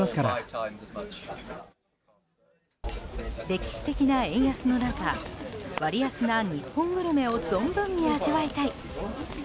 歴史的な円安の中割安な日本グルメを存分に味わいたい。